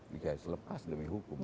dikaris lepas demi hukum